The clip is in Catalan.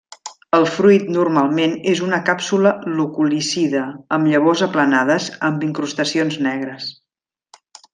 El fruit normalment és una càpsula loculicida amb llavors aplanades amb incrustacions negres.